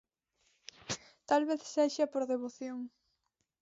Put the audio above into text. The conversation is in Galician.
Tal vez sexa por devoción.